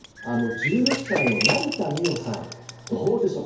１６歳の成田実生さんどうでしょうか？